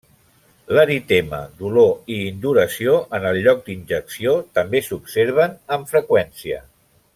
L'eritema, dolor i induració en el lloc d'injecció també s'observen amb freqüència.